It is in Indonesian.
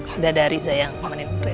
sudah ada riza yang menemani rena